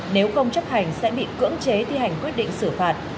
nếu không chấp hành sẽ bị cưỡng chế thi hành quyết định xử phạt